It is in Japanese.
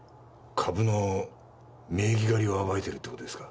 株の名義借りを暴いてるってことですか？